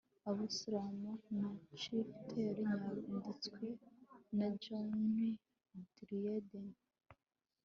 abusalomu na achitofeli byanditswe na john dryden